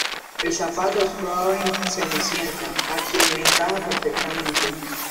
El zapato es probado en Cenicienta, a quien le encaja perfectamente.